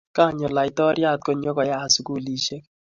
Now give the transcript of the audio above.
Kanyo laitoriat konyoko yat sugulisiek